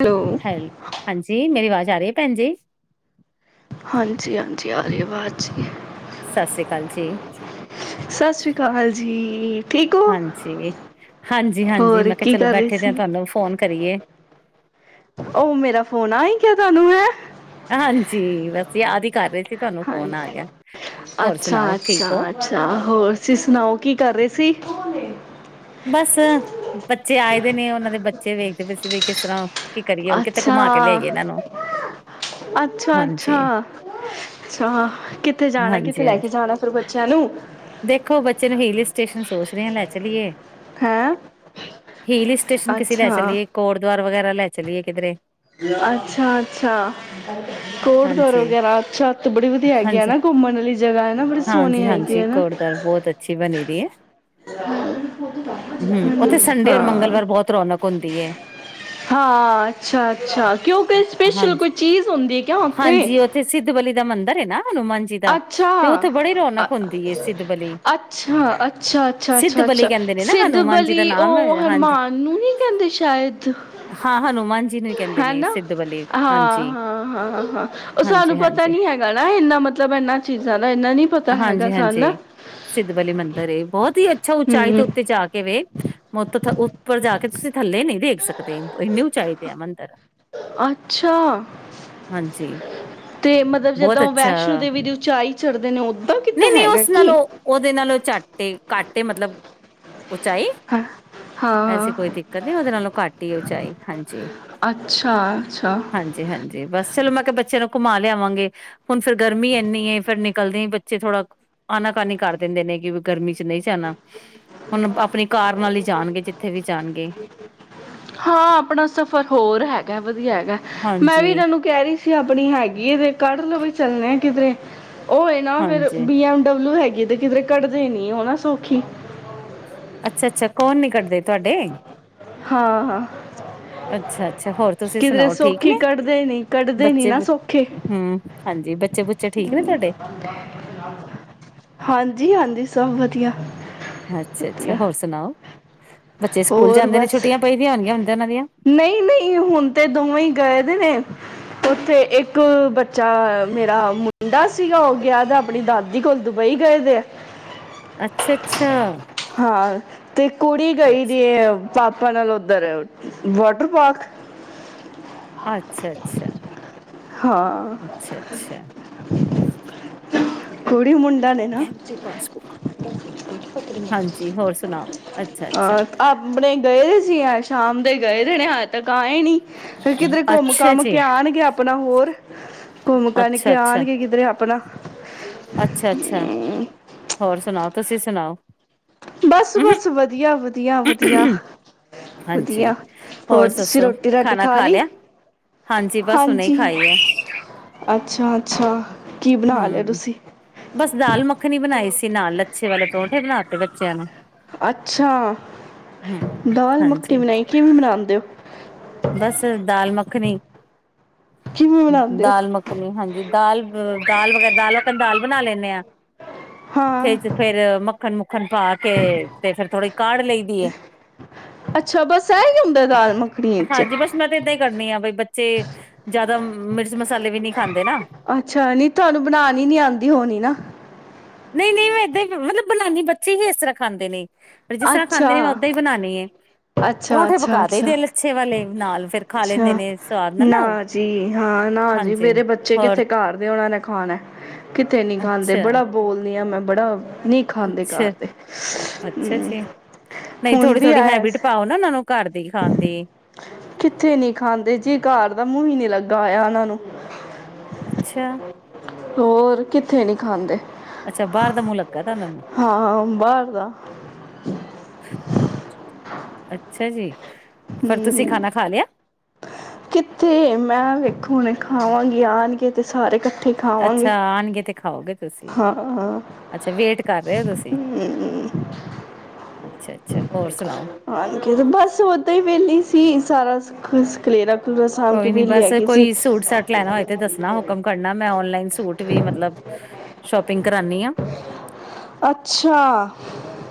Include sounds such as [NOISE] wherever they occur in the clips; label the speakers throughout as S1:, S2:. S1: Hello
S2: ਹੈ। ਹਾਂਜੀ ਮੇਰੀ ਆਵਾਜ਼ ਆ ਰਹੀ ਹੈਂ ਭੈਣ ਜੀ
S1: ਹਾਂਜੀ ਹਾਂਜੀ ਆ ਰਹੀ ਅਵਾਜ਼ ਜੀ
S2: ਸਤਿ ਸ੍ਰੀ ਅਕਾਲ ਜੀ
S1: ਸਤਿ ਸ਼੍ਰੀ ਅਕਾਲ ਜੀ। [INAUDIBLE]
S2: ਹਾਂਜੀਹਾਂਜੀ ਹਾਂਜੀ
S1: ਹੋਰ
S2: ਮੈਂ ਕਿਹਾ
S1: ਕੀ
S2: ਚਲੋ
S1: ਕਰ ਰਹੀ
S2: ਬੈਠੇ ਦੇ ਹ
S1: ਸੀ
S2: ਤੁਹਾਨੂੰ ਫੋਨ ਕਰੀਏ।
S1: ਉਹ ਮੇਰਾ ਫ਼ੋਨ ਆ ਹੀ ਗਿਆ ਤੁਹਾਂਨੂੰ ਹੈਂਅ।
S2: ਹਾਂਜੀ ਬ ਯਾਦ ਹੀ ਕਰ ਰਹੇ ਸੀ। ਤੇ ਤੁਹਾਂਨੂੰ ਫ਼ੋਨ ਆ
S1: ਹਾਂਜੀ
S2: ਗਿਆਂ। ਹੋਰ
S1: ਅੱਛਾ
S2: ਸੁਣਾਓ ਠੀਕ ਹੋ।
S1: ਅੱਛਾ ਅੱਛਾ ਹੋਰ ਤੁਸੀਂ ਸੁਣਾਓ ਕੀ ਕਰ ਰਹੇਂ ਸੀ।
S2: ਬੱਸ ਆ। ਬੱਚੇ ਆਏਂ ਦੇ ਨੇਂ ਉਹਨਾਂ ਦੇ ਬੱਚੇ। ਬੱਚੇ ਵੇਖਦੇਂ ਪਏ ਸੀ। ਬਈ ਕਿਸ ਤਰ੍ਹਾਂ। ਕੀ ਕਰੀਏ ਹੁਣ ਕਿਤੇ
S1: ਅੱਛਾ।
S2: ਘੁਮਾ ਕੇ ਲਿਆਈਏ ਇਹਨਾਂ ਨੂੰ
S1: ਅੱਛਾ
S2: ਹਾਂਜੀ
S1: ਅੱਛਾ ਅੱਛਾ ਕਿੱਥੇ ਜਾਣਾਂ। ਕਿੱਥੇ
S2: ਹਾਂਜੀ
S1: ਲੈ ਕੇ
S2: ਹਾਂਜੀ
S1: ਜਾਣਾਂ ਫ਼ਿਰ ਬੱਚਿਆਂ ਨੂੰ।
S2: ਦੇਖੋ ਬੱਚੇ
S1: ਹੈਂ
S2: ਹੇਲੀਅਰ ਸਟੇਸ਼ਨ ਕਿਸ਼ੇ ਲੈ
S1: ਅੱਛਾ
S2: ਚੱਲੀਏ ਕੋੜਗ ਹੋਰ ਵਗ਼ੈਰਾ ਲੈ ਚੱਲੀਏ ਕਿਧਰੇ।
S1: ਅੱਛਾ ਅੱਛਾ ਕੋਟਪੁਰ
S2: ਹਾਂਜੀ
S1: ਵਗ਼ੈਰਾ ਅੱਛਾ ਉਥੇ ਬੜੀ ਵਧੀਆਂ ਹੈਗੀ ਆ
S2: ਹਾਂਜੀ
S1: ਨਾ ਘੁੰਮਣ ਲਈ ਜਗ੍ਹਾ ਹਨਾ ਬੜੀ ਸੋਹਣੀ
S2: ਹਾਂਜੀ ਹਾਂਜੀ
S1: ਹੈਗੀ ਨਾ।
S2: ਕੋਟਦੁਆਰ ਬਹੁਤ
S1: ਹਾਂ
S2: ਹਮ। ਉੱਥੇ ਸੰਡੇ ਔਰ ਮੰਗਲਵਾਰ ਬਹੁਤ ਰੌਣਕ ਹੁੰਦੀ ਹੈਂ।
S1: ਹਾਂ। ਅੱਛਾ ਅੱਛਾ ਕਿਉਂ ਕੋਈ ਸਪੈਸ਼ਲ
S2: ਹਾਂਜੀ,
S1: ਕੋਈ ਚੀਜ਼ ਹੁੰਦੀ ਹੈ ਕਿ ਉੱਥੇ।
S2: ਹਾਂਜੀ ਸਿੱਧ ਬਲੀ ਦਾ ਮੰਦਿਰ ਹੈਂ ਨਾਂ।
S1: ਅੱਛਾ
S2: ਹੁੰਦੀ ਹੈ ਸਿੱਧ ਬਲੀ।
S1: ਅੱਛਾ, ਅੱਛਾ
S2: ਸਿੱਧ
S1: ਅੱਛਾ
S2: ਬਲੀ
S1: ਅੱਛਾ।
S2: ਕਹਿੰਦੇ ਨੇ ਨਾ
S1: ਸਿੱਧ
S2: ਹਨੂੰਮਾਨ ਜੀ ਦਾ
S1: ਬਲੀ
S2: ਨਾਮ
S1: ਉਹ
S2: ਹੈ। ਹਾਂਜੀ।
S1: ਹਨੂੰਮਾਨ ਨੂੰ ਨੀਂ ਕਹਿੰਦੇ ਸ਼ਾਇਦ
S2: ਹਾਂ ਹਨੂੰਮਾਨ ਜੀ ਨੂੰ ਹੀ ਕਹਿੰਦੇ ਨੇ
S1: ਹੈਨਾ।
S2: ਸਿੱਧ ਬਲੀ
S1: ਹਾਂ।
S2: ਹਾਂਜੀ,
S1: ਹਾਂ ਹਾਂ ਹਾਂ ਉਹ ਸਾਂਨੂੰ
S2: ਹਾਂਜੀ,
S1: ਪਤਾਂ
S2: ਹਾਂਜੀ।
S1: ਨੀਂ ਹੈਗਾ ਨਾਂ ਇੰਨਾਂ ਮੱਤਲਬ ਇਹਨਾਂ ਚੀਜ਼ਾਂ ਦਾ ਇਨਾਂ ਨੀਂ ਪਤਾਂ ਹੈਗਾ
S2: ਹਾਂਜੀ,
S1: ਸਾਨੂੰ।
S2: ਹਾਂਜੀ ਸਿੱਧ ਬਲੀ ਮੰਦਿਰ ਏ ਬਹੁਤ ਹੀ। ਅੱਛਾ ਚਾਹੇ ਤੇ
S1: ਹੂੰ
S2: ਉੱਤੇ ਜਾਂ ਕੇ ਵੇਖ ਮਤ ਉੱਪਰ ਜਾਂ ਕੇ ਤੁਸੀਂ ਥੱਲੇ ਨਹੀਂ ਦੇਖ ਸਕਦੇ। ਏਨੀਂ ਉੱਚਾਈ ਤੇ ਆ ਮੰਦਿਰ।
S1: ਅੱਛਾ।
S2: ਹਾਂਜੀ,
S1: ਤੇ ਮੱਤਲਬ
S2: ਬਹੁਤ
S1: ਜਿੰਦਾਂ
S2: ਅੱਛਾ
S1: ਵੈਸ਼ਨੋ ਦੇਵੀਂ ਦੀ ਉੱਚਾਈ। ਚੜਦੇ ਨੇ ਉਦਾਂ ਕਿੱਦਾਂ
S2: ਨਹੀਂ ਨ
S1: ਹੈਗਾ
S2: ਉਹ
S1: ਕੀ
S2: ਨਾਲੂੰ ਉਹਓਦੇ ਨਲ ਚਾਟ ਤੇ ਘੱਟ ਮਤਲਬ ਉਚਾਈ
S1: ਹਾਂ
S2: ਐਸੀ
S1: ਹਾਂ
S2: ਕੋਈ ਦਿੱਕਤ ਨ ਉਹਦੇ ਨਾਲੋਂ ਘੱਟ ਹੀ ਉਚਾਈ ਹਾਂਜੀ
S1: ਅੱਛਾ ਅੱਛਾ
S2: ਹਾਂਜੀ ਹਾਂਜੀ ਬਸ ਚਲੋ ਮੈਂ ਕਿਹਾ ਬੱਚੇ ਨੂੰ ਘੁੰਮਾ ਲਿਆਵਾਂਗੇ ਹੁਣ ਫੇਰ ਗਰਮੀ ਇੰਨੀਏ ਫੇਰ ਨਿਕਲਦੇ ਬੇ 'ਚ ਥੋੜਾ ਆਨਾਕਾਨੀ ਕਰ ਦਿੰਦੇ ਨੇ ਕਿ ਵੀ ਗਰਮੀ ਚ ਨਹੀਂ ਜਾਆਣਾ। ਜਾਣਗੇ ਜਿੱਥੇ ਵੀ ਜਾਣਗੇ
S1: ਹਾਂ ਆਪਣਾ ਸਫ਼ਰ ਹੋਰ ਹੈਗਾ ਵਧੀਆ ਹੈਗਾ ਮੈਂ
S2: ਹਾਂਜੀ
S1: ਵੀ ਇਹਨਾਂ ਨੂੰ ਕਹਿ ਰਹੀ ਸੀ ਆਪਣੀ ਹੈਗੀ ਏ ਤੇ ਕੱਢ ਲਵੇ ਚੱਲਣੇ ਕਿਧਰੇ ਹੋਏ ਨਾ ਫਿਰ
S2: ਹਾਂਜੀ।
S1: ਬੀ ਐੱਮ ਡਬਲਿਊ ਹੈਗੀ। ਕਿਧ ਕਿਧਰੇ ਕੱਢਦੇ ਨੀ ਉਹ ਨਾ ਸੌਖੀ
S2: ਅੱਛਾ ਅੱਛਾ ਕੌਣ ਨੀ ਕੱਢਦੇ ਤੁਹਾਡੇ।
S1: ਹਾਂ ਹਾਂ
S2: ਅੱਛਾ ਅੱਛਾ ਹੋਰ ਤੁਸੀਂ
S1: ਕਿਧਰੇ
S2: ਸੁਣਾਓ ਠੀਕ
S1: ਸੌਖੀ
S2: ਨੇ
S1: ਕੱਢਦੇ ਨ ਕੱਢਦੇ ਨੀ
S2: ਬੱਚੇ
S1: ਨਾ
S2: ਬੁ-
S1: ਸੌਖੇ
S2: ਹੂੰ ਹਾਂਜੀ ਬੱਚੇ ਬੁੱਚੇ ਠੀਕ ਨੇ ਤੁਹਾਡੇ
S1: ਹਾਂਜੀ ਹਾਂਜੀ [UNINTELLIGIBLE] ਸਭ ਵਧੀਆ
S2: ਅੱਛਾ ਅੱਛਾ
S1: ਵਧੀਆ
S2: ਹੋਰ ਸੁਣਾਓ ਬੱਚੇ ਸਕੂਲ
S1: ਹੋਰ
S2: ਜਾਂਦੇ ਨੇ
S1: ਬਸ
S2: ਛੁੱਟੀਆਂ ਪੈਦੀਆਂ ਹੋਣਗੀਆਂ ਹੁੰਦੀ
S1: ਨਹੀਂ ਨਹੀਂ ਹੁਣ ਤੇ ਦੋਵੇਂ ਹੀ ਗਏ ਦੇ ਨੇ ਉੱਥੇ ਇੱਕ ਬੱਚਾ ਮੇਰਾ ਮੁੰਡਾ ਸੀ ਗਿਆ ਦਾ ਆਪਣੀ ਦਾਦੀ ਕੋਲ ਦੁਬਈ ਗਏ ਤੇ ਆ
S2: ਅੱਛਾ ਅੱਛਾ
S1: ਅਤੇ ਕੁੜੀ ਗਈ
S2: ਅੱਛਾ।
S1: ਦੀ ਪਾਪਾਨ ਲ ਉੱਧਰ ਵਾਟਰ ਪਾਰਕ
S2: ਅੱਛਾ -ਅੱਛਾ
S1: ਹਾਂ
S2: ਅੱਛਾ -ਅੱਛਾ
S1: ਕੁੜੀ ਮੁੰਡਾ ਹਾਂ
S2: ਬੈਂਕ ਦੀ ਪਾਸਬੁੱਕ। ਹਾਂਜੀ, ਹੋਰ ਸੁਣਾਓ? ਅੱਛਾ, ਅੱਛਾ,
S1: ਆਪਣੇ ਗਏ ਸੀ ਐ ਗਏ ਦੇ ਨੇ ਅੱਜ ਤੱਕ ਆਏ ਨੀ ਕਿਧਰੇ ਘੁੰਮ
S2: ਅੱਛਾ
S1: ਘਾਮ
S2: ਜੀ,
S1: ਕੇ ਆਉਣਗੇ ਆਪਣਾ ਹੋਰ ਘੁੰਮ
S2: ਅੱਛਾ,
S1: ਕੇ
S2: ਅੱਛਾ,
S1: ਆਉਣਗੇ ਕਿਧਰੇ ਆਪਣਾ
S2: ਅੱਛਾ ਅੱਛਾ ਹੋਰ ਸੁਣਾ ਤੁਸੀਂ ਸੁਣਾਓ
S1: ਬਸ -ਬਸ ਵਧੀਆ -ਵਧੀਆ -ਵਧੀਆ-
S2: ਹਾਂਜੀ,
S1: ਵਧੀਆ ਹੋਰ ਤੁਸੀਂ
S2: ਦੱਸੋ?
S1: ਰੋਟੀ ਰਾਟੀ
S2: ਖਾਣਾ
S1: ਖਾ ਲਈ
S2: ਲਿਆ? ਬਸ ਹੁਣੇ ਹੀ
S1: ਹਾਂਜੀ
S2: ਖਾਈ ਹੈ।
S1: ਅੱਛਾ ਅੱਛਾ ਕੀ ਬਣਾ ਲਿਆ
S2: ਹਮ
S1: ਤੁਸੀਂ
S2: ਬਸ ਦਾਲ ਮੱਖਣੀ ਬਣਾਈ ਸੀ ਨਾਲ ਅੱਛੇ ਵਾਲੇ ਪਰਹੁਣ ਥੇਬਣਾ ਬੱਚਿਆਂ ਨੂ
S1: ਅੱਛਾ
S2: ਹੂੰ,
S1: ਦਾਲ ਮੱਖਣੀ
S2: ਹਾਂਜੀ,
S1: ਬਣਾਈ ਕਿਵੇਂ ਬਨਉਦੇ ਹੋ।
S2: ੱਖ ਨਹੀਂ
S1: ਕਿਵੇਂ
S2: [UNINTELLIGIBLE]
S1: ਬਣਾਉਂਦੇ ਹੋ
S2: ਦਾਲ ਮੱਖਣੀ ਹਾਂਜੀ ਦਾਲ ਦਾਲ ਵਗੈਰਾ ਦਾਲ ਆਪ ਦਾਲ ਬਣਾ ਲੈਂਦੇ ਹਾਂ ਫੇ
S1: ਹਾਂ
S2: ਫੇਰ ਮੱਖਣ ਹਨ [UNINTELLIGIBLE] ਮੱਖਣ ਪਾ ਕੇ ਤੇ ਫੇਿਰ ਥੋੜ੍ਹੀ ਕਾੜ ਲਈ ਦੀਏ
S1: ਅੱਛਾ ਬਸ ਇਹ ਹੀ ਹੁੰਦਾ ਦਾਲ ਮੱਖਣੀ ਵਿੱਚ
S2: ਹਾਂਜੀ ਬਸ ਮੈਂ ਤੇ ਏਦਾਂ ਹੀ ਕਰਨੀ ਆ ਬਈ ਬੱਚੇ ਜਿਆਦਾ ਮਸਾਲੇ ਵੀ ਨਹੀਂ ਖਾਂਦੇ ਨਾ
S1: ਅੱਛਾ ਨਹੀਂ ਤੁਹਾਨੂੰ ਬਣਾਉਣ ਨੀ ਆਉਂਦੀ ਹੋਣੀ ਨਾ
S2: ਨਹੀਂ -ਨਹੀਂ ਮੈਂ ਇਏਦਾਂ ਮਤਲਬ ਬਲਾਨੀ ਬੱਚੇ ਹੀ ਇਸ ਤਰ੍ਹਾਂ ਖਾਂਦੇ ਨੇ ਪਰ ਜਿਸ ਤਰ੍ਹਾਂ
S1: ਅੱਛਾ
S2: ਖਾਂਦੇ ਨੇ ਮੈਂ ਓਦਾਂ ਹੀ ਬਣਾਣੀ ਏ।
S1: -ਅੱਛਾ
S2: ਪਰੌਂਠੇ
S1: -ਅੱਛਾ
S2: ਪਕਾ ਦਈ
S1: -ਅੱਛਾ
S2: ਦੇ ਲੱਛੇ ਵਾਲੇ ਨਾਲ ਫੇਰ ਖਾ ਲੈਂਦੇ
S1: -ਅੱਛਾ
S2: ਨੇ ਸਵਾਦ ਨਾਲ
S1: ਨਾ ਜੀ ਹਾਂ ਨਾ ਜੀ
S2: ਹਾਂਜੀ।
S1: ਮੇਰੇ ਬੱਚੇ
S2: ਹੋਰ
S1: ਕਿੱਥੇ ਘਰ ਦੇ ਹੋਣਾ ਖਾਣਾ- ਕਿੱਥੇ ਨੀ ਖਾਂਦੇ
S2: ਅੱਛਾ
S1: ਬੜਾ ਬੋਲਦੀ ਆਾਂ ਮੈਂ ਬੜਾ- ਨਹੀ ਖਾਂਦੇ ਘਰ
S2: ਅੱਛਾ
S1: ਦੇ
S2: ਅੱਛਾ
S1: ਹਮ,
S2: ਜੀ ਨਹੀਂ
S1: ਹੁਣ
S2: ਥੋੜੀ
S1: ਵੀ
S2: -ਥੋੜੀ
S1: ਆਇਆ
S2: ਹੈਬਿਟ
S1: ਸੀ।
S2: ਪਾਓ ਨਾ ਇਹਨਾਂ ਨੂੰ ਘਰ ਦੀ ਖਾਣ ਦੀ
S1: ਕਿੱਥੇ ਨੀ ਖਾਂਦੇ ਜੇ ਘਰ ਦਾ ਮੂੰਹ ਨੀ ਲੱਗ ਗਾਇਆ ਉਹਨਾਂ ਨੂੰ
S2: ਅੱਛਾ-
S1: ਹੋਰ ਕਿੱਥੇ ਨਹੀਂ ਖਾਂਦੇ
S2: ਅੱਛਾ ਬਾਹਰ ਦਾ ਮੂੰਹ ਲੱਗਗਾ ਦਾ
S1: ਹਾਂ ਬਾਹਰ ਦਾ
S2: ਅੱਛਾ ਜੀ ਪਰ
S1: ਹਮ,
S2: ਤੁਸੀਂ ਖਾਣਾ ਖਾ ਲਿਆ
S1: ਕਿੱਥੇ ਮੈਂ ਵੇਖੋ ਹੁਣ ਖਾਵਾਂਗੀ ਆਣਗੇ ਤੇ ਸਾਰੇੱ
S2: ਅੱਛਾ ਆਉਣਗੇ ਤੇ ਖਾਓਗੇ ਤੁਸੀਂ
S1: ਹਾਂ ਹਾਂ ਹ
S2: ਅੱਛਾ ਵੇਟ ਕਰ ਰਹੇ ਹੋ ਤੁਸੀਂ ਅੱਛਾ ਅੱਛਾ ਹੋਰ ਸੁਣਾਓ
S1: ਆ ਬਸ ਓਦਾਂ ਹੀ ਵਹਲੀ ਸੀ ਸਾਰਾ ਖਲੇਰਾ ਖਲੂਰਾ ਸਾਂਭ ਕੇ
S2: ਕੋਈ ਨੀ
S1: ਵਿਹਲੀ
S2: ਬਸ
S1: ਹੈਗੀ ਸੀ
S2: ਕੋਈ ਸੂਟ ਸੈੱਟ ਲੈਣਾ ਹੋਏ ਤੇ ਦੱਸਣਾ ਹੁਕਮ ਕਰਨਾ ਮੈਂ ਓਨਲਾਈਨ ਸੂਟ ਵੀ ਮਤਲਬ ਸ਼ੋਪਿੰਗ ਕਰਾਨੀ ਆ
S1: ਅੱਛਾ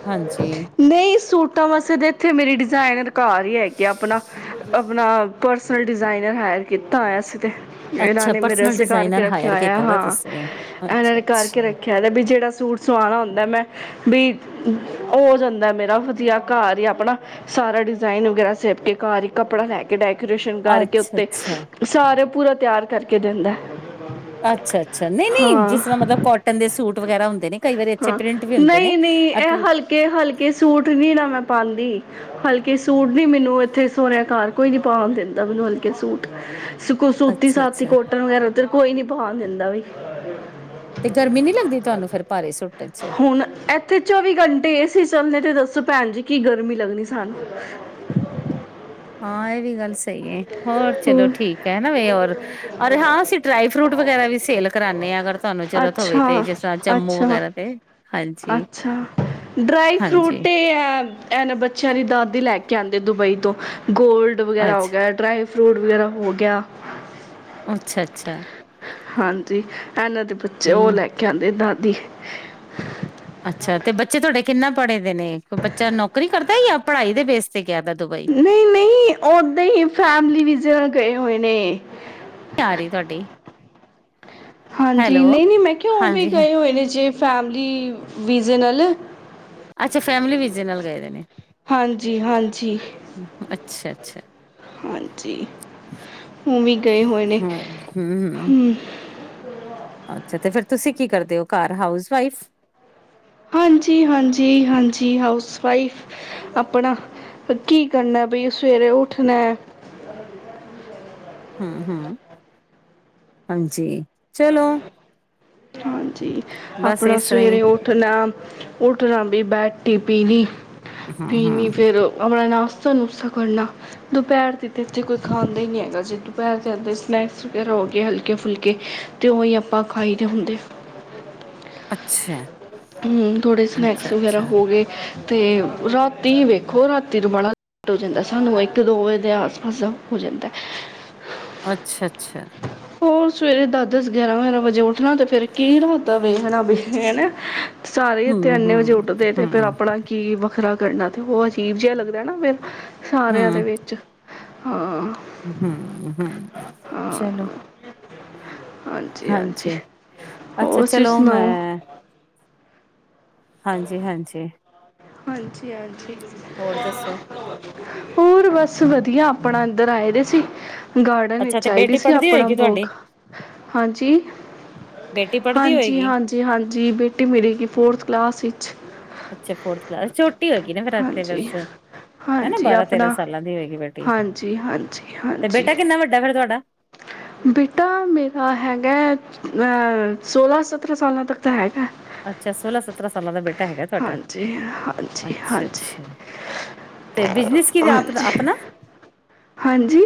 S2: ਹਾਂਜੀ
S1: ਨਹੀਂ ਸੂਟਾਂ ਵਾਸੇ ਤਾਂ ਇੱਥੇ ਮੇਰੀ ਡਿਜਾਇਨ ਰਕਾਰ ਹੀ ਹੈਗੀ ਆਪਣਾ ਆਪਣਾ ਪਰਸਨਲ ਡਿਜ਼ਾਇਨਰ ਹਾਇਰ ਕੀਤਾ ਹੈਏ ਅਸੀਂ ਤਾਂ ਇਹਨਾਂ
S2: ਅੱਛਾ
S1: ਨੇ
S2: ਪਰਸਨਲ
S1: ਮੇਰੇਸ ਕਰਕੇ
S2: ਡਿਜ਼ਾਇਨਰ ਹਾਇਰ
S1: ਰੱਖਿਆਇਆ
S2: ਕੀਤਾ ਦਾ
S1: ਹਾਂ
S2: ਤੁਸੀਂ
S1: ਇਹਨਾਂ
S2: ਅੱਛਾ
S1: ਨੇ
S2: ਅੱਛਾ
S1: ਕਰਕੇ ਰੱਖਿਆ ਹੈ। ਵੀ ਜਿਹੜਾ ਸੂਟ ਸਵਾਆਣਾ ਹੁੰਦਾ ਮੈਂ ਵੀ ਹੋ ਜਾਂਦਾ ਮੇਰਾ ਵਧੀਆ ਘਰ ਹੀ ਆਪਣਾ ਸਾਰਾ ਡਿਜ਼ਾਇਨ ਵਗੈਰਾ ਸੇਫਟੀ ਘਰ ਹੀ ਕੱਪੜਾ ਲੈ ਕੇ ਡੈ ਕੇ ਸ਼ਨ
S2: ਅੱਛਾ
S1: ਕਰਕੇ
S2: ਅੱਛਾ
S1: ਉੱਤੇ ਸਾਰੇ ਪੂਰਾ ਤਿਆਰ ਕਰਕੇ ਦਿੰਦਾ
S2: ਅੱਛਾ ਅੱਛਾ ਨਹੀਂ ਨਹੀਂ
S1: ਹਾਂ
S2: ਜਿਸ ਤਰ੍ਹਾਂ ਮਤਲਬ ਕੋਟਨ ਦੇ ਸੂਟ ਵਗੈਰਾ ਹੁੰਦੇ ਨੇ ਕਈ ਵਾਰੀ ਅੱਛੇ
S1: ਹਾਂ
S2: ਪ੍ਰਿੰਟ ਵੀ ਹੁੰਦੇ ਨੇ
S1: ਨਹੀਂ ਨਹੀਂ ਇਹ
S2: ਅਕ-
S1: ਹਲਕੇ ਹਲਕੇ ਸੂਟ ਨੀ ਨਾ ਮੈਂ ਪਾਉਂਦੀ ਹਲਕੇ ਸੂਟ ਨੀ ਮੈਨੂੰ ਇੱਥੇ ਸੋਣਿਆ ਘਰ ਕੋਈ ਨੀ ਪਾਉਣ ਦਿੰਦਾ ਮੈਨੂੰ ਹਲਕੇ ਸੂਟ ਸੁ ਸੂਤੀ
S2: ਅੱਛਾ
S1: ਸਾਤੀ
S2: ਅੱਛਾ
S1: ਕੋਟਨ ਵਗੈਰਾ ਕੋਈ ਨੀ ਬਹਾਉਣ ਦਿੰਦਾ ਵੀ
S2: ਤੇ ਗਰਮੀ ਨੀ ਲੱਗਦੀ ਤੁਹਾਨੂੰ ਫੇਰ ਭਾਰੇ ਸੂਟਾਂ ਚ
S1: ਹੁਣ ਇੱਥੇ ਚੌਵੀ ਘੰਟੇ ਇਹ ਸੀ ਚੱਲਣੇ ਤੇ ਦੱਸੋ ਭੈਣ ਜੀ ਕਿ ਗਰਮੀ ਲੱਗਣੀ ਸਾਨੂੰ
S2: ਹਾਂ ਇਹ ਵੀ ਗੱਲ ਸਹੀ ਹੈ ਹੋਰ ਚਲੋ ਠੀਕ ਹੈਾ ਵੀ ਹੋਰ ਰ ਹਾਂ ਅਸੀਂ ਡਰਾਈ ਫਰੂਟ ਵਗੈਰਾ ਵੀ ਸੇਲ ਕਰਾਉਦੇ ਹਾਂ ਅਗਰ ਤੁਹੂੰ
S1: ਅੱਛਾ ਅੱਛਾ
S2: ਤੇ ਹਾਂਜੀ
S1: ਅੱਛਾ ਡਰਾਈ ਫਰੂਟ
S2: ਹਾਂਜੀ
S1: ਇਹ ਬੱਚਿਆਂ ਦੀ ਦਾਦੀ ਲੈ ਕੇ ਆਂਦੀ ਤੇ ਦੁਬਈ ਤੋਂ ਗੋਲਡ ਵਗੈਰਾ ਹੋ
S2: ਅੱਛਾ
S1: ਗਿਆ ਡਰਾਈ ਫਰੂਟ ਵਗੈਰਾ ਹੋ ਗਿਆ
S2: ਅੱਛਾ ਅੱਛਾ
S1: ਹਾਂਜੀ ਇਹਨਾਂ ਦੇ ਉਹ
S2: ਹਮ
S1: ਲੈ ਕੇ ਆਉਂਦੇ ਅਤੇ ਦਾਦੀ
S2: ਅੱਛਾ ਤੇ ਬੱਚੇ ਤੁਹਾਡੇ ਕਿੰਨਾ ਪੜ੍ਹੇ ਦੇ ਨੇ ਬੱਚਾ ਨੌਕਰੀ ਕਰਦਾ ਜਾਂ ਪੜ੍ਹਾਈ ਦੇ ਬੇਸ ਤੇ ਗਿਆ ਦਾ ਦੁਬਈ
S1: ਨਹੀਂ ਨਹੀਂ ਓਦਾਂ ਹੀ ਫੈਮਲੀ ਵੀ [UNINTELLIGIBLE] ਗਏ ਹੋਏ ਨੇ
S2: ਕਾਆ ਰਹੀ ਤੁਹਾਡੀ
S1: ਹਾਂਜੀ
S2: ਹੈਲੋ
S1: ਨਹੀਂ ਨਹੀਂ ਮੈਂ ਕਿਉਂ ਵੀ
S2: ਹਾਂਜੀ
S1: ਗਏ ਹੋਏ ਨੇ ਜੇ ਫੈਮਿਲੀ ਵਿਜ਼ਨਲ
S2: ਅੱਛਾ ਫੈਮਿਲੀ ਵੀਜੇ ਨਾਲ ਗਏ ਦੇ ਨੇ
S1: ਹਾਂਜੀ ਹਾਂਜੀ
S2: ਅੱਛਾ ਅੱਛਾ
S1: ਹਾਂਜੀ ਜੀ ਹੁ ਵੀ ਗਏ ਹੋਏ ਨੇ
S2: ਹਮ ਹਮ
S1: ਹੂ
S2: ਅੱਛਾ ਤੇ ਫਿਰ ਤੁਸੀਂ ਕੀ ਕਰਦੇ ਹੋ ਘਰ ਹਾਊਸ ਵਾਈਫ
S1: ਹਾਂਜੀ ਹਾਂਜ ਹਾਂਜੀ ਹਾਊਸ ਵਾਈਫ ਆਪਣਾ ਕੀ ਕਰਨਾ ਭਾਈ ਸਵੇਰੇ ਉੱਠਣਾ
S2: ਹੂ ਹੂ ਹਾਂਜੀ ਚਲੋ
S1: ਹਾਂਜੀ
S2: ਬਸ
S1: ਆਪਣਾ
S2: ਇਸ ਤਰ੍ਹਾਂ ਹੀ
S1: ਸਵੇਰੇ ਉੱਠਣਾ ਉੱਠਣਾ ਵੀ ਬੈਟੀ ਪੀਣੀ
S2: ਹਮ
S1: ਤੇ
S2: ਹਮ
S1: ਫੇਰ ਆਪਣਾ ਤੁਹਾਨੂੰ ਉਸਾ ਕਰਨਾ ਦੁਪਹਿਰ ਦੀ ਤਾਂ ਇੱਥੇ ਕੋਈ ਖਾਂਦਾ ਹੀ ਨਹੀਂ ਹੈਗਾ ਜੇ ਦੁਪਹਿਰ ਦੇ ਅਦੇ ਸਨੈਕਸ ਵਗੈਰਾ ਹੋ ਗਏ ਹਲਕੇ ਫੁਲਕੇ ਤੇ ਉਹੀ ਆਪਾਂ ਖਾਈ ਇਕੱਠੇ ਹੁੰਦੇ
S2: ਅੱਛਾ
S1: ਹਮ ਥੋੜੇ
S2: ਅੱਛਾ
S1: ਸਨੈਕਸ ਵਗੈਰਾ
S2: ਅੱਛਾ
S1: ਹੋ ਗਏ ਅਤੇ ਰਾਤੀ ਵੇਖੋ ਰਾਤੀ ਤੋਂ ਬੜਾ ਲੇਟ ਹੋ ਜਾਂਦਾ ਸਾਨੂੰ ਇੱਕ ਦੋ ਵਜੇ ਦੇ ਆਸ ਪਾਸ ਹੋ ਜਾਂਦਾ
S2: ਅੱਛਾ ਅੱਛਾ
S1: ਹੋਰ ਸਵੇਰੇ ਦਸ ਦਸ ਗਿਆਰਾਂ ਗਿਆਰਾਂ ਵਜੇ ਉੱਠਣਾ ਤੇ ਫੇਰ ਕੀ ਰਾਤ ਆ 'ਵੇਖਣਾ ਵੇਖ ਨਾ ਸਾਰੇ ਇੱਥੇ
S2: ਹਮ
S1: ਇੰਨੇ ਵਜੇ
S2: ਹਮ
S1: ਉੱਠਦੇ ਤੇ ਫੇਿਰ
S2: ਹਮ
S1: ਆਪਣਾ ਕੀ ਵੱਖਰਾ ਕਰਨਾ ਤੇ ਉਹ ਅਜੀਬ ਜਿਹਾ ਲੱਗਦਾ ਨਾ ਫਿਰ ਸਾਰਿਆਂ ਦੇ ਵਿੱਚ ਹਾਂ
S2: ਹੂ ਹੂ
S1: ਹਾਂ
S2: ਚਲੋ
S1: [INAUDIBLE] ਹਾਂਜੀ ਹਾਂਜੀ
S2: ਅੱਛਾ
S1: ਹੋਰ ਤੁਸੀਂ
S2: ਚਲੋ
S1: ਸੁਣਾਓ
S2: ਮੈਂ ਹਾਂਜੀ ਹਾਂਜੀ
S1: ਹਾਂਜੀ ਹਾਂਜੀ ਠੀਕ
S2: ਹੋਰ ਦੱਸੋ
S1: [UNINTELLIGIBLE] ਹੋਰ ਬਸ ਵਧੀਆ ਆਪਣਾ ਇੱਧਰ ਆਏ ਦੇ ਸੀ ਗਾਰਡਨ ਵਿਚ
S2: ਅੱਛਾ ਤੇ
S1: ਚਹੀਦੀ
S2: ਬੇਟੀ
S1: ਸੀ
S2: ਪੜ੍ਹਦੀ
S1: ਆਪਣਾ
S2: ਹੋਏਗੀ
S1: ਬਾਗ
S2: ਤੁਹਾਡੀ
S1: ਹਾਂਜੀ
S2: ਬੇਟੀ ਪੜ੍ਹਦੀ
S1: ਹਾਂਜੀ
S2: ਹੋਏਗੀ
S1: ਹਾਂਜੀ ਹਾਂਜੀ ਬੇਟੀ ਮਿਲੇਗੀ ਫੋਰਥ ਕਲਾਸ ਵਿਚ ਅੱਛਾ
S2: ਅੱਛਾ [UNINTELLIGIBLE] ਛੋਟੀ ਹੋਏਗੀ ਨਾ ਫੇਿਰ ਤੇ
S1: ਹਾਂਜੀ
S2: ਬਸ ਹਨਾ
S1: ਹਾਂਜੀ
S2: ਬਾਰਾਂ ਤੇਰਾਂ
S1: ਆਪਣਾ
S2: ਸਾਲਾਂ ਦੀ ਹੋਏਗੀ ਬੇਟੀ
S1: ਹਾਂਜੀ ਹਾਂਜੀ
S2: ਤੇ
S1: ਹਾਂਜੀ
S2: ਬੇਟਾ ਕਿੰਨਾ ਵੱਡਾ ਫੇਿਰ ਤੁਹਾਡਾ
S1: ਬੇਟਾ ਮੇਰਾ ਹੈਗਾ ਅਹ ਸੋਹਲਾਂ ਸਤਰਾਂ ਸਾਲਾਂ ਤੱਕ ਤਾਂ ਹੈ।
S2: ਅੱਛਾ ਸੋਹਲਾਂ ਸਤਰਾਂ ਸਾਲਾਂ ਦਾ ਬੇਟਾ ਹੈਗਾ ਤੁਹਾਡਾ
S1: ਹਾਂਜੀ ਹਾਂਜੀ
S2: ਅੱਛਾ-
S1: ਹਾਂਜੀ
S2: ਅੱਛਾ ਤੇ ਬਿਜਨਸ ਕੀ ਆਪ
S1: ਹਾਂਜੀ
S2: ਆਪਣਾ
S1: ਹਾਂਜੀ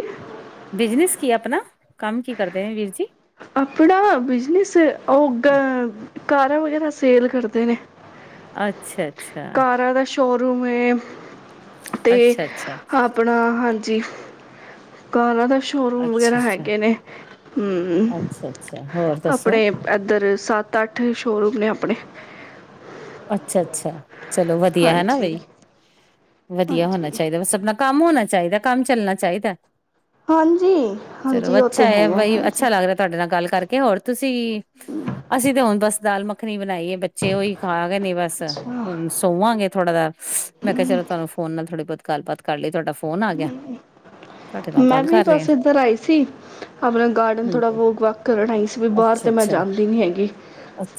S2: ਕੀ ਆਪਣਾ
S1: ਆਪਣਾ ਬਿਜਨਸ ਉਹ ਕਾਰਾਂ ਵਗੈਰਾ ਸੇਲ ਕਰਦੇ ਨੇ
S2: ਅੱਛਾ ਅੱਛਾ
S1: ਕਾਰਾਂ ਦਾ ਸ਼ੋਰੂਮ ਹੈ। ਤੇ
S2: ਅੱਛਾ ਅੱਛਾ
S1: ਆਪਣਾ ਹਾਂਜੀ। ਜ ਘਾਲ ਤਾਂ [UNINTELLIGIBLE] ਸ਼ੋਰੂਮ
S2: ਅੱਛਾ
S1: ਵਗੈਰਾ
S2: ਅੱਛਾ
S1: ਹੈਗੇ ਨੇ ਹਮ
S2: ਅੱਛਾ ਅੱਛਾ ਹੋਰ ਦੱਸੋ
S1: ਆਪਣੇ ਇੱਧਰ ਸੱਤ ਅੱਠ ਉ ਸ਼ੋਰੂਮ ਨੇ ਆਪਣੇ
S2: ਅੱਛਾ ਅੱਛਾ। ਚਲੋ ਵਧੀਆ ਹਨਾ
S1: ਹਾਂਜੀ
S2: ਬਈ ਵਧੀਆ ਹੋਣਾ
S1: ਹਾਂਜੀ
S2: ਚਾਹੀਦਾ ਬਸ ਆਪਨਾ ਕੰਮ ਹੋਣਾ ਚਾਹੀਦਾ ਕੰਮ ਚੱਲਣਾ ਚਾਹੀਦਾ।
S1: ਹਾਂਜੀ ਹਾਂਜੀ
S2: ਚਲੋ
S1: ਉਹ ਤੇ
S2: ਅੱਛਾ ਹੈ
S1: ਹੈਗਾ
S2: ਬਈ
S1: ਹਾਂਜੀ।
S2: ਅੱਛਾ ਲੱਗ ਰਿਹਾ ਤੁਹਾਡੇ ਨਾਲ ਗੱਲ ਕਰਕੇ ਹੋਰ ਤੁਸੀਂ? ਅਸੀਂ ਤੇ ਹੁਣ ਬਸ ਦਾਲ ਮੱਖਣੀ ਬਣਾਈ ਹੈ ਬੱਚੇ ਉਹੀ ਆਾ [UNINTELLIGIBLE] ਨਹੀਂ। ਬਸ
S1: ਅੱਛਾ,
S2: ਹੁਣ ਸੋਵਾਂਗੇ ਥੋੜਾ ਜਾ ਮੈਂ ਕਿਹਾ ਚਲੋ ਤੁਹਾਨੂੰ ਫੋਨ ਨਾਲ ਥੋੜੀ ਬਹੁਤ [UNINTELLIGIBLE] ਗੱਲਬਾਤ ਕਰ ਲਈ ਤੁਹਾਡਾ ਫੋਨ ਆ ਗਿਆ ਤੁਹਾਡੇ ਨਾਲ
S1: ਮੈਂ
S2: ਗੱਲ
S1: ਵੀ
S2: ਕਰ ਰਹੇ
S1: ਬਸ
S2: ਹਾਂ
S1: ਇੱਧਰ ਆਈ ਸੀ ਆਪਣਾ ਗਾਰਡਨ ਥੋੜਾ ਬਹੁਤ ਵਾਕ ਕਰਨ ਆਈ ਸੀ ਵੀ ਬਾਹਰ
S2: ਅੱਛਾ
S1: ਤੇ ਮੈਂ
S2: ਅੱਛਾ
S1: ਜਾਂਦੀ ਨੀ ਹੈਗੀ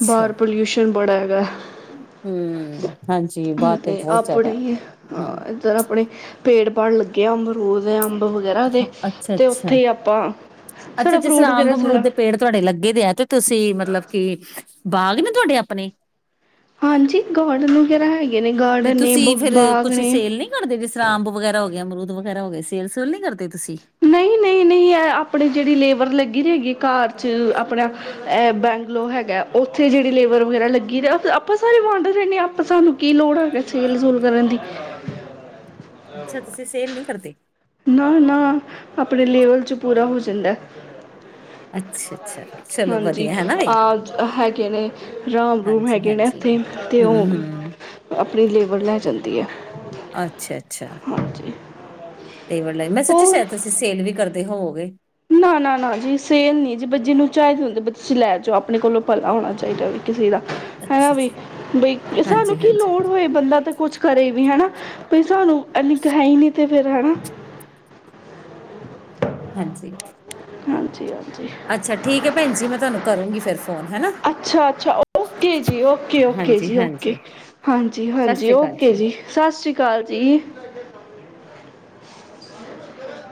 S1: ਬਾਹਰ ਪੋਲਿਊਸ਼ਨ ਬੜਾ ਹੈਗਾ
S2: ਹਮ ਹਾਂਜੀ। ਬਾਹਰ
S1: ਤੇ
S2: ਬਹੁਤ ਜ਼ਿਆਦਾ
S1: ਆਪਣੇ
S2: ਹੂੰ।
S1: ਇੱਧਰ ਆਪਣੇ ਪੇੜ ਭਲੱ ਗਿਆਿਆ ਅੰਮਰੂਦ [UNINTELLIGIBLE] ਵਗੈਰਾ ਤੇ ਤੇ
S2: ਅੱਛਾ-ਅੱਛਾ,
S1: ਉੱਥੇ ਹੀ ਆਪਾਂ
S2: ਅੱਛਾ ਅੱਛਾ
S1: ਸਾਡਾ
S2: ਜਿਸ
S1: ਫਰੂਟ
S2: ਤਰ੍ਹਾਂ ਅੰਬ
S1: ਵਗੈਰਾ
S2: ਅਮਰੂਦ
S1: ਸਾਰਾ
S2: ਦੇ ਪੇੜ ਤੁਹਾਡੇ ਲੱਗੇ ਦੇ ਆ ਤੇ ਤੁਸੀਂ ਮਤਲਬ ਕਿ ਬਾਗ ਨੇ ਤੁਹਾਡੇ ਆਪਣੇ
S1: ਹਾਂਜੀ ਗੋਡਨ ਵਗੈਰਾ ਹੈਗਾ [UNINTELLIGIBLE]
S2: ਤੇ ਤੁਸੀਂ ਫੇਰ ਕੁਛ ਸੇਲ ਨੀ ਕਰਦੇ ਜਿਸ ਤਰਾਂ ਅੰਬ ਵਗੈਰਾ ਹੋ ਗਿਆ ਅਰੂਦ ਵਗੈਰਾ ਹੋ ਗਿਆ ਸੀ। ਸੇਲ ਸੁਲ ਨਹੀਂ ਕਰਦੇ। ਤੁਸੀਂ?
S1: ਨਹੀਂ ਨਹੀਂ ਨਹੀਂ, ਏਹ ਆਪਣੇ ਜਿਹੜੀ ਲੇਬਰ ਲੱਗ ਗੀ ਰੇਗੀ ਘਰ ਚ ਆਪਣਾ ਬੈਂਗਲੋ ਹੈਗਾ ਐ। ਉੱਥੇ ਜਿਹੜੀ ਲੇਬਰ ਵਗੈਰਾ ਲੱਗੀ ਦਾ, ਆਪਾਂ ਸਾਰੇ ਵਾਡੇ ਰਹਿੰਨੇ ਆਂ। ਆਪਾਂ ਸਾਨੂੰ ਕੀ ਲੋੜ ਹੈਗਾ ਸੇਲ ਸੂਲ ਕਰਨ ਦੀ।
S2: ਅੱਛਾ ਤੁਸੀਂ ਸੇਲ ਨਹੀਂ ਕਰਦੇ।
S1: ਨਾ ਨਾ, ਆਪਣੇ ਲੇਵਲ ਚ ਪੂਰਾ ਹੋ ਜਂਦੈ।
S2: ਅੱਛਾ-ਅੱਛਾ ਚਲੋ
S1: ਹਾਂਜੀ।
S2: ਵਧੀਆ ਹਨਾ ਬਈ
S1: ਆ ਹੈਗੇ ਨੇ ਰਾਮ ਰੂਮ ਹੈਗੇ ਨੇ
S2: ਹਾਂਜੀ-ਹਾਂਜੀ
S1: ਇੱਥੇ, ਤੇ
S2: ਹੂੰ-ਹੂੰ,
S1: ਉਹ ਆਪਣੀ ਲੇਬਰ ਲੈ ਜਾਂਦੀ ਆ। ਹਾਂਜੀ।
S2: ਲੇਵਰ ਲੈ ਜਾ। ਮੈਂ ਸੋਚਿਆ
S1: ਹੋਰ
S2: ਸੈ਼‌ਦ ਤੁਸੀਂ ਸੇਲ ਵੀ ਕਰ ਦੇ ਹੋਓਗੇ।
S1: ਨਾ ਨਾ ਨਾ ਜੀ, ਸੇਲ ਨੀ ਜੀ ਬ ਜੀਨੂੰ ਚਾਹੀਦੇ ਹੁੰਦੇ ਬ ਤੁਸੀਂ ਲੈ ਜੋ। ਆਪਣੇ ਕੋਲੋਂ ਭਲਾ ਹੋਣਾ ਚਾਹੀਦਾ ਵੀ। ਕਿਸੇ ਦਾ, ਹਨਾ
S2: ਅੱਛਾ
S1: ਵੀ।
S2: ਜੀ
S1: ਬਈ, ਸਾਨੂੰ
S2: ਹਾਂਜੀ-ਹਾਂਜੀ,
S1: ਕੀ ਲੋੜ
S2: ਹਾਂਜੀ
S1: ਹੋਏ ਬੰਦਾ ਤਾਂ ਕੁਛ ਕਰੇ ਵੀ ਹਨਾ। ਬੀ ਸਾਨੂੰ ਏਨੀ ਕ ਹੈ ਈ ਨੀ ਤੇ ਫਿਰ ਹਨਾ।
S2: ਹਾਂਜੀ।
S1: ਹਾਂਜੀ ਹਾਂਜੀ,
S2: ਅੱਛਾ ਠੀਕ ਹੈ ਭੈਣ ਜੀ ਮੈਂ ਤੁਹਾਨੂੰ ਕਰੂੰਗੀ ਫਿਰ ਫੋਨ ਹੈਨਾ
S1: ਅੱਛਾ ਅੱਛਾ, ਓਕੇ ਜੀ, ਓਕੇ ਓਕੇ
S2: ਹਾਂਜੀ
S1: ਜੀ ਓਕੇ
S2: ਹਾਂਜੀ
S1: ਹਾਂਜੀ
S2: ਸਤਿ
S1: ਹਾਂਜੀ
S2: ਸ਼੍ਰੀ ਅਕਾਲ
S1: ਓਕੇ ਜੀ ਸਤਿ ਸ੍ਰੀ ਕਾਲ ਜੀ। [INAUDIBLE]